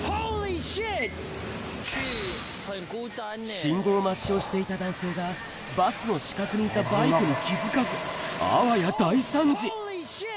信号待ちをしていた男性が、バスの死角にいたバイクに気付かず、あわや大惨事。